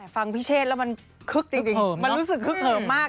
พิเชษแล้วมันคึกจริงมันรู้สึกคึกเหิมมาก